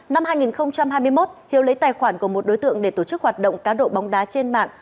năm hai nghìn hai mươi một hiếu lấy tài khoản của một đối tượng để tổ chức hoạt động cá độ bóng đá trên mạng